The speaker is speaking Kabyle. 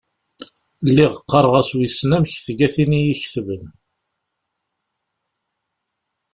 Lliɣ qqareɣ-as wissen amek tga tin i y-iketben.